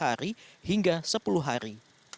dari empat hari hingga sepuluh hari